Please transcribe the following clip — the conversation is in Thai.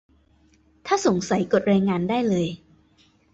ถ้าสงสัย กดรายงานได้เลย